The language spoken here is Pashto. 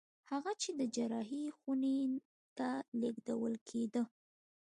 هغه چې د جراحي خونې ته لېږدول کېده